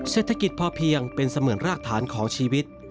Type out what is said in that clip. เศรษฐกิจพอเพียงเป็นเสมือนรากฐานของชีวิต